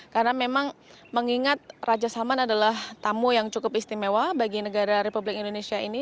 karena memang mengingat raja salman adalah tamu yang cukup istimewa bagi negara republik indonesia ini